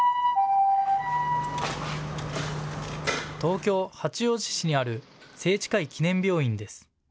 東京・八王子市にある清智会記念病院です。